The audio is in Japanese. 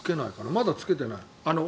まだつけてない。